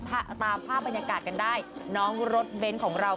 ถ้าตามภาพบรรยากาศกันได้น้องรถเบนท์ของเรา